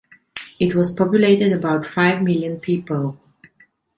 It was populated about five million people.